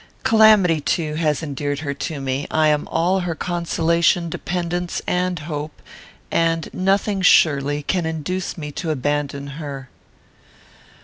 Calamity, too, has endeared her to me; I am all her consolation, dependence, and hope, and nothing, surely, can induce me to abandon her."